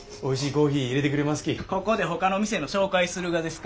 ここでほかの店の紹介するがですか？